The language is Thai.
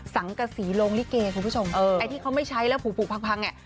สังกษีโรงลิเกคุณผู้ชมไอ้ที่เขาไม่ใช้แล้วผูกพังอ่ะ